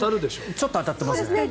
ちょっと当たってますね。